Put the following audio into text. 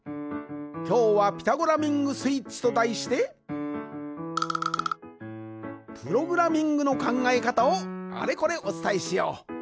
きょうは「ピタゴラミングスイッチ」とだいしてプログラミングのかんがえかたをあれこれおつたえしよう。